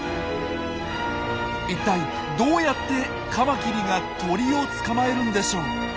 一体どうやってカマキリが鳥を捕まえるんでしょう？